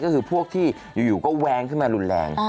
ก็คือพวกที่อยู่ก็แว้งขึ้นมารุนแรง